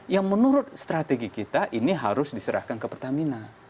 yang menurut strategi kita ini harus diserahkan ke pertamina